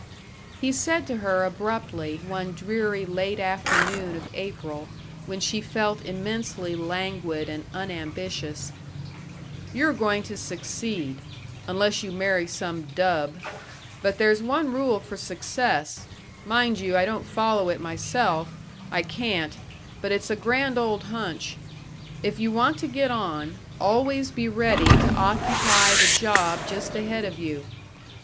He said to her, abruptly, one dreary late afternoon of April when she felt immensely languid and unambitious: "You're going to succeed unless you marry some dub. But there's one rule for success mind you, I don't follow it myself, I can't, but it's a grand old hunch: 'If you want to get on, always be ready to occupy the job just ahead of you.'